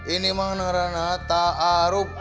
ini mah narana tak arop